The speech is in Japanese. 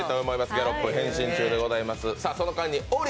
ギャロップ、変身中でございます。